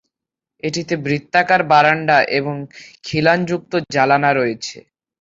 এটিতে বৃত্তাকার বারান্দা এবং খিলানযুক্ত জানালা রয়েছে।